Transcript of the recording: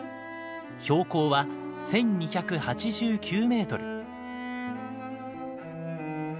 標高は１，２８９メートル。